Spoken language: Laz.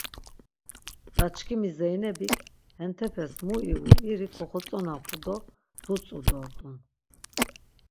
Daçkimi Zeynebik, hentepes mu ivu iri koxotzonapu do dutzu dort̆un.